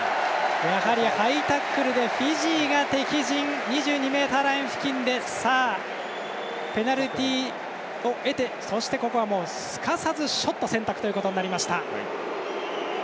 やはりハイタックルでフィジーが敵陣２２ｍライン付近でペナルティを得て、ここはすかさずショット選択ということになりました。